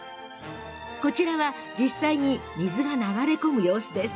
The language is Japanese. こちらは実際に水が流れ込む様子。